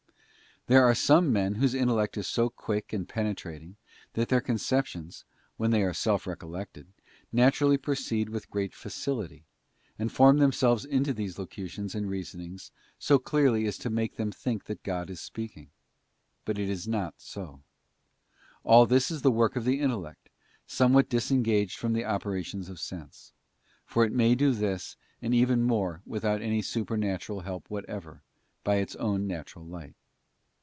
There are some men whose intellect is so quick and penetrating that their conceptions, when they are self recollected, naturally proceed with great facility, and form * Cant. vi. 4. Se oi ee * TRUE ROAD TO SPIRITUAL GOOD. 193 themselves into these locutions and reasonings so clearly as to make them think that God is speaking. But it is not so. All this is the work of the intellect, somewhat disengaged from the operations of sense; for it may do this and even more without any supernatural help whatever, by its own natural light.